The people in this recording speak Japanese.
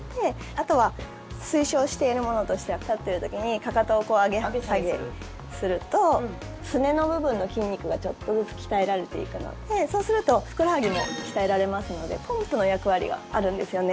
あとは推奨しているものとしては立ってる時にかかとを上げ下げするとすねの部分の筋肉がちょっとずつ鍛えられていくのでそうすると、ふくらはぎも鍛えられますのでポンプの役割があるんですよね